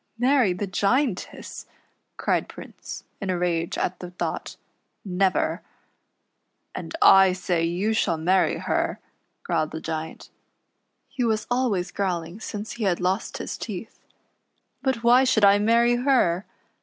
" Marry the Giantess," cried Prince, in a rage at the thought ;" never." " And I say you shall marry her," growled the F tf2 SUNBEAM AND HER WHITE RABBIT. Giant : he was always growling since he had lost his teeth. " Rut why should I marry her